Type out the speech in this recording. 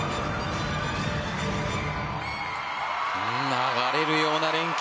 流れるような連係。